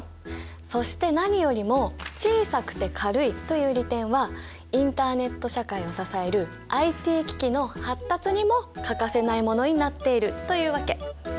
そして何よりも小さくて軽いという利点はインターネット社会を支えるＩＴ機器の発達にも欠かせないものになっているというわけ。